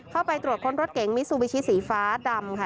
เข้าไปตรวจค้นรถเก๋งมิซูบิชิสีฟ้าดำค่ะ